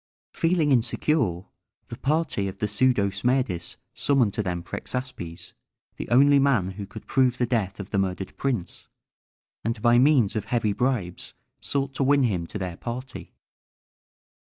Feeling insecure, the party of the pseudo Smerdis summoned to them Prexaspes, the only man who could prove the death of the murdered prince, and by means of heavy bribes sought to win him to their party.